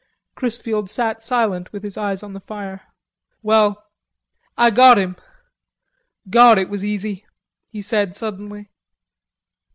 Chrisfield sat silent with his eyes on the fire. "Well, Ah got him.... Gawd, it was easy," he said suddenly.